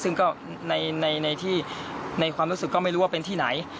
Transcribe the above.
ซึ่งก็ในความรู้สึกก็ไม่รู้ว่าเป็นที่ไหน